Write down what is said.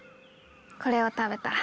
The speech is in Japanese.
これを食べたら。